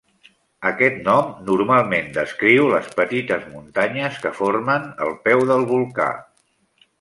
Aquest nom normalment descriu les petites muntanyes que formen el peu del volcà.